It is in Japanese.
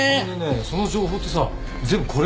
その情報ってさ全部これで？